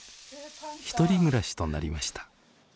１人暮らしとなりました。